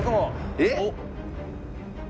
えっ！？